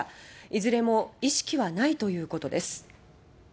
いずれも意識はないということです。